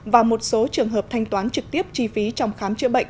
và một số trường hợp thanh toán trực tiếp chi phí trong khám chữa bệnh